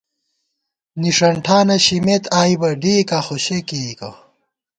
نِݭن ٹھانہ شِمېت آئی بہ ڈېئکا خوشےکېئیکہ